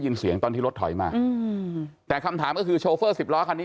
เสียงตอนที่รถถอยมาอืมแต่คำถามก็คือโชเฟอร์สิบล้อคันนี้